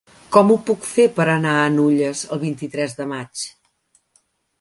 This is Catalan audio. Com ho puc fer per anar a Nulles el vint-i-tres de maig?